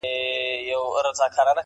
چي دا وږي د وطن په نس ماړه وي,